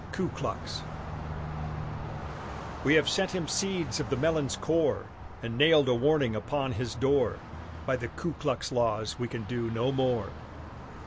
KU KLUX We have sent him seeds of the melon's core, And nailed a warning upon his door; By the Ku Klux laws we can do no more.